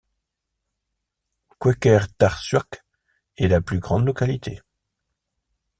Qeqertarsuaq est la plus grande localité.